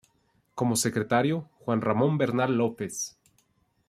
Como secretario, Juan Ramón Bernal López.